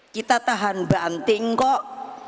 kita tahan banting kok